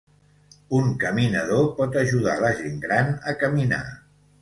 Un caminador pot ajudar la gent gran a caminar.